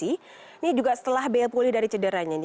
ini juga setelah bale pulih dari cederanya